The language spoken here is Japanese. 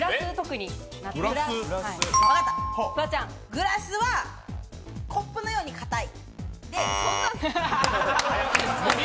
グラスは、コップのように硬い。